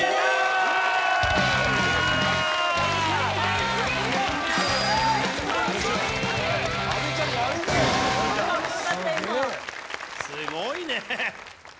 すごいね。